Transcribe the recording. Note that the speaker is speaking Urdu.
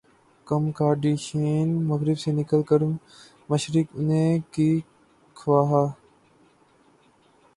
کم کارڈیشین مغرب سے نکل کر مشرق انے کی خواہاں